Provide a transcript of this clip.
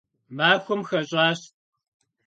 Maxuem xeş'aş.